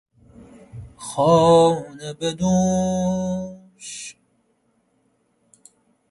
خانه به دوش